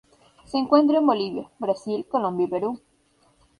Se encuentra en Bolivia, Brasil, Colombia y Perú